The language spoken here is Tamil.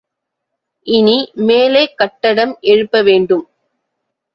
இனி, மேலே கட்டடம் எழுப்பவேண்டும்.